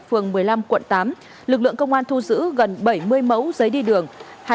phường một mươi năm quận tám lực lượng công an thu giữ gần bảy mươi mẫu giấy đi đường